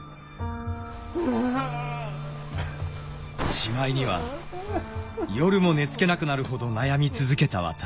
しまいには夜も寝つけなくなるほど悩み続けた私。